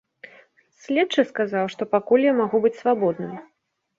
Следчы сказаў, што пакуль я магу быць свабодным.